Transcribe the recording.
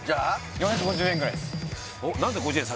４５０円ぐらいです